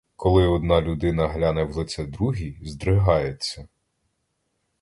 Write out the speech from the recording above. Коли одна людина гляне в лице другій, здригається.